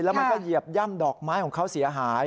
แล้วมันก็เหยียบย่ำดอกไม้ของเขาเสียหาย